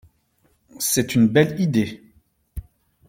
C’est une belle idée.